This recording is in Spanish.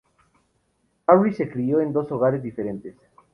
Harris se crió en dos hogares diferentes.